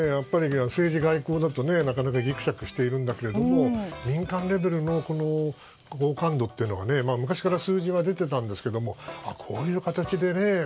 政治・外交だとなかなかギクシャクしているんだけども民間レベルの好感度というのがね昔から数字は出てたんですけどもこういう形でね。